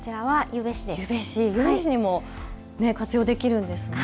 ゆべしにも活用できるんですね。